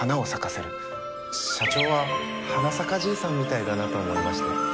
社長ははなさかじいさんみたいだなと思いまして。